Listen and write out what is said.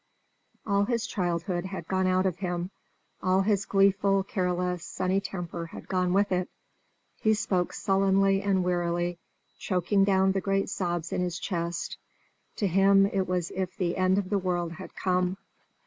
All his childhood had gone out of him, all his gleeful, careless, sunny temper had gone with it; he spoke sullenly and wearily, choking down the great sobs in his chest. To him it was as if the end of the world had come.